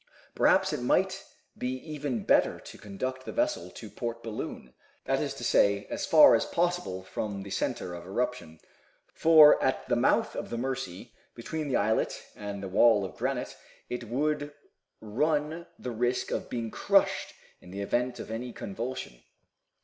Perhaps it might be even better to conduct the vessel to Port Balloon, that is to say, as far as possible from the center of eruption, for at the mouth of the Mercy, between the islet and the wall of granite, it would run the risk of being crushed in the event of any convulsion.